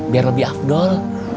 biar lebih afdol